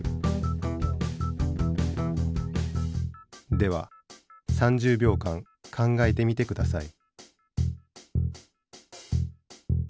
では３０秒間考えてみて下さい。